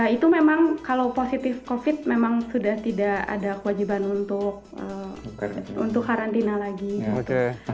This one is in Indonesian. itu memang kalau positif covid memang sudah tidak ada kewajiban untuk karantina lagi